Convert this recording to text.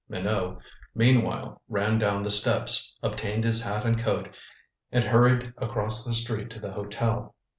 Minot, meanwhile, ran down the steps, obtained his hat and coat, and hurried across the street to the hotel.